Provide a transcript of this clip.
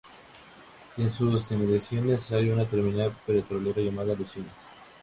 En sus inmediaciones hay una terminal petrolera llamada Lucina.